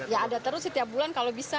ya ada terus setiap bulan kalau bisa